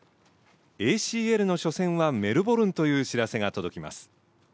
ＡＣＬの初戦はメルボルンという知らせが届きます。